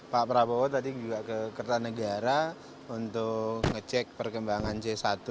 pak prabowo tadi juga ke kertanegara untuk ngecek perkembangan c satu